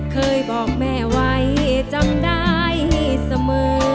เคยบอกแม่ไว้จำได้เสมอ